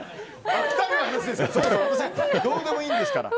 私はどうでもいいんですから。